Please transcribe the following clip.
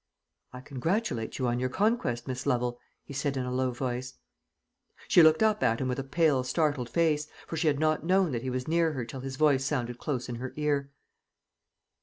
"I congratulate you on your conquest, Miss Lovel," he said in a low voice. She looked up at him with a pale startled face, for she had not known that he was near her till his voice sounded close in her ear.